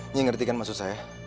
ini ngerti kan maksud saya